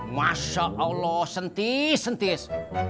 masya allah sentis sentis